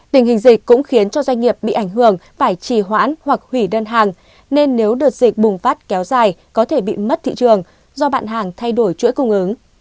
tình hình dịch cũng khiến cho doanh nghiệp bị ảnh hưởng phải trì hoãn hoặc hủy đơn hàng nên nếu đợt dịch bùng phát kéo dài có thể bị mất thị trường do bạn hàng thay đổi chuỗi cung ứng